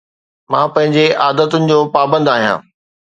مان پنهنجي عادتن جو پابند آهيان